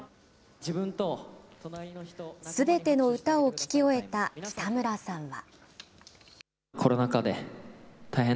すべての歌を聴き終えた北村さんは。